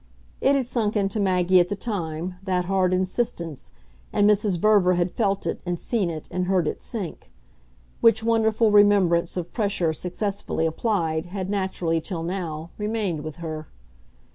It had sunk into Maggie at the time, that hard insistence, and Mrs. Verver had felt it and seen it and heard it sink; which wonderful remembrance of pressure successfully applied had naturally, till now, remained with her.